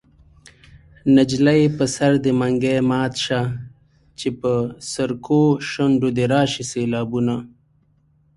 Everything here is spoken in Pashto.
نجلۍ په سر دې منګی مات شه چې په سرکو شونډو دې راشي سېلابونه